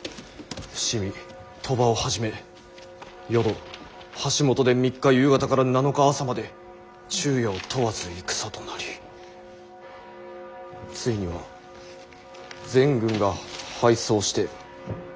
「伏見鳥羽をはじめ淀橋本で３日夕方から７日朝まで昼夜を問わず戦となりついには全軍が敗走して枚方守口まで撤退」。